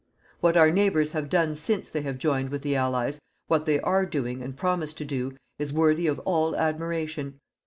What our neighbours have done since they have joined with the Allies, what they are doing and promise to do, is worthy of all admiration.